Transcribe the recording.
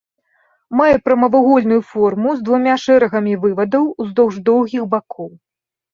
Мае прамавугольную форму з двума шэрагамі вывадаў уздоўж доўгіх бакоў.